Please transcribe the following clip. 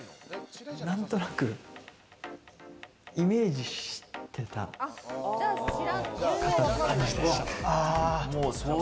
何となくイメージしてた方のような感じでした。